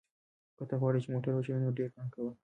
که ته غواړې چې موټر وچلوې نو ډېر پام کوه.